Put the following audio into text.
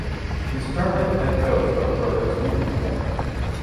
He is currently the head coach of the Brothers Union club.